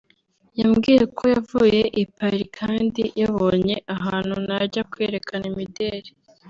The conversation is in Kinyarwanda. yambwiye ko yavuye i Paris kandi yabonye ahantu najya kwerekana imideli